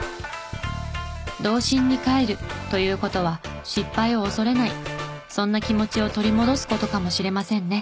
童心に帰るという事は失敗を恐れないそんな気持ちを取り戻す事かもしれませんね。